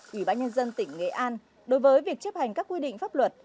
ủy ban nhân dân tỉnh nghệ an đối với việc chấp hành các quy định pháp luật